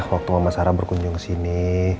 waktu mama sarah berkunjung kesini